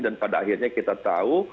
pada akhirnya kita tahu